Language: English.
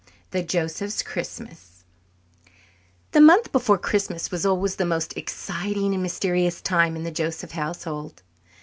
The Josephs' Christmas The month before Christmas was always the most exciting and mysterious time in the Joseph household.